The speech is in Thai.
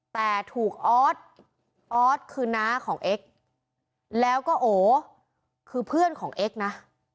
แต่ถูกออสออสคือน้าของเอ็กซ์แล้วก็โอคือเพื่อนของเอ็กซ์นะ